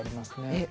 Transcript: えっ